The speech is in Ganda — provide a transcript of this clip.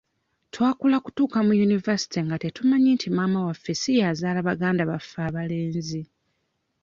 Twakula kutuuka mu yunivaasite nga tetumanyi nti maama waffe si y'azaala baganda baffe abalenzi.